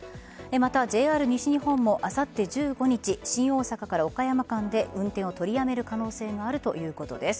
またＪＲ西日本もあさって１５日新大阪岡山間で運転を取りやめる可能性があるということです。